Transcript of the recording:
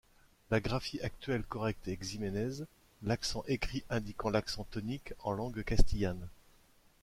La graphie actuelle correcte est Ximénez, l'accent écrit indiquant l'accent tonique en langue castillane.